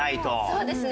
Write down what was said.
そうですね。